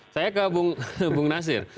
saya ke bung nasir